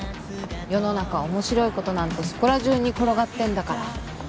世の中面白いことなんてそこら中に転がってんだから。